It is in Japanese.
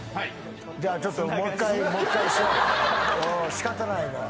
仕方ないな。